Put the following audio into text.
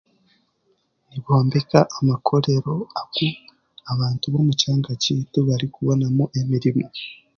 Nibombeka amakorero agu abantu b'omu kyanga kyaitu barikubonamu emirimo.